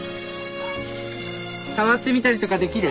触ってみたりとかできる？